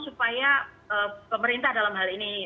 supaya pemerintah dalam hal ini